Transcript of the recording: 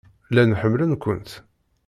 Llan ḥemmlen-kent.